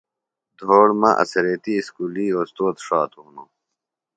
دھوڑ مہ اڅھریتی اُسکولیۡ اوستود ݜاتوۡ ہنوۡ۔